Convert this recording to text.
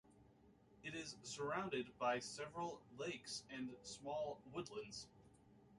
It is surrounded by several lakes and small woodlands.